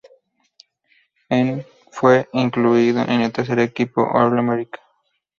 En fue incluido en el tercer equipo All-America.